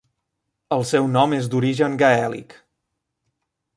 El seu nom és d'origen gaèlic.